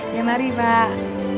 ya mari pak